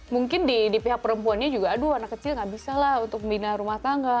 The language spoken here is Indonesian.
mungkin di pihak perempuannya juga aduh anak kecil nggak bisa lah untuk membina rumah tangga